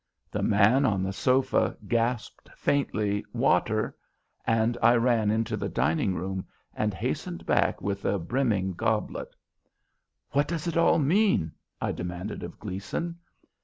The man on the sofa gasped faintly, "Water," and I ran into the dining room and hastened back with a brimming goblet. "What does it all mean?" I demanded of Gleason.